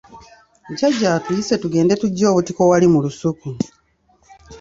Jjajja atuyise tugende tuggye obutiko wali mu lusuku.